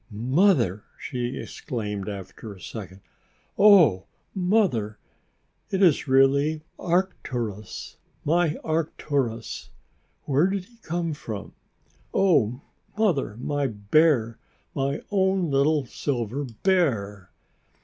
"Mother!" she exclaimed after a second, "oh, Mother! Mother! is it really Arcturus, my Arcturus? Where did he come from? Oh, Mother, my bear, my own little silver bear!"